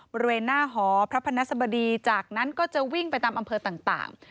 บริเวณหน้าหอพระพนัสบดีจากนั้นก็จะวิ่งไปตามอำเภอต่าง